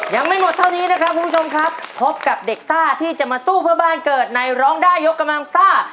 ยังไม่หมดเท่านี้นะครับคุณผู้ชมครับพบกับเด็กซ่าที่จะมาสู้เพื่อบ้านเกิดในร้องได้ยกกำลังซ่า